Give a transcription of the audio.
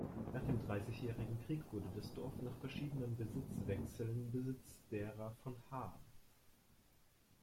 Nach dem Dreißigjährigen Krieg wurde das Dorf nach verschiedenen Besitzwechseln Besitz derer von Hahn.